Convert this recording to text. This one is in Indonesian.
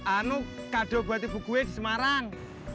anu kado buat ibu gue di semarang